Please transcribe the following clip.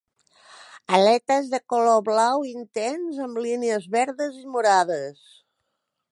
Aletes de color blau intens amb línies verdes i morades.